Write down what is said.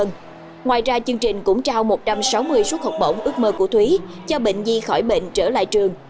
ngoài ra chương trình cũng trao một trăm sáu mươi suất học bổng ước mơ của thúy cho bệnh nhi khỏi bệnh trở lại trường